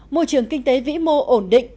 môi trường kinh tế vĩ mô ổn định